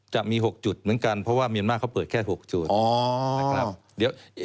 จะมี๖จุดเหมือนกันเพราะว่าเมียนมากเค้าเปิดแค่๖จุด